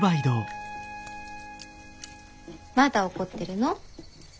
まだ怒ってるの？